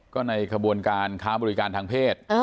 ก็ในขบวนการค้าบริการทางเพศ